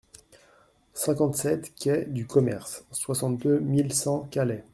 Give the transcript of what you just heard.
cinquante-sept quai du Commerce, soixante-deux mille cent Calais